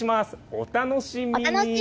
お楽しみに。